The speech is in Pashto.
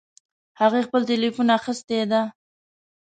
هغې خپل ټیلیفون اخیستی ده